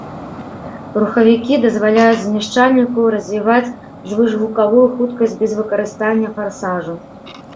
Рухавікі дазваляюць знішчальніку развіваць звышгукавую хуткасць без выкарыстання фарсажу.